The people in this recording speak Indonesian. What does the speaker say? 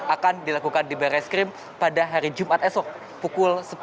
akan dilakukan di barreskrim pada hari jumat esok pukul sepuluh